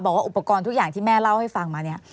บอกว่าอุปกรณ์ทุกอย่างที่แม่เล่าให้ฟังมาเนี่ย